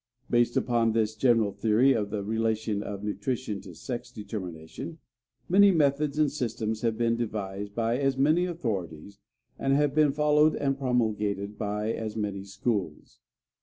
Based upon this general theory of the relation of nutrition to sex determination, many methods and systems have been devised by as many authorities, and have been followed and promulgated by as many schools.